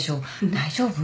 大丈夫？